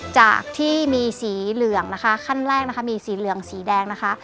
จากที่มีสีเหลืองนะคะขั้นแรกนะคะมีสีเหลืองสีแดงนะคะ